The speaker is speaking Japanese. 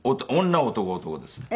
女男男ですね。